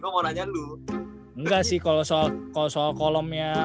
engga sih kalau soal kolomnya